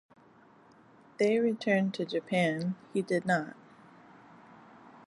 They returned to Japan; he did not.